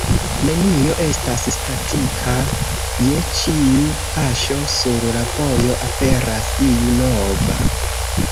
Nenio estas statika, je ĉiu paŝo sur la vojo aperas iu nova.